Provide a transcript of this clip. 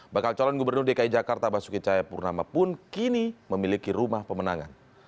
bakal calon gubernur dki jakarta basuki cahayapurnama pun kini memiliki rumah pemenangan